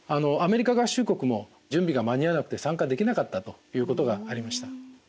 アメリカ合衆国も準備が間に合わなくて参加できなかったということがありました。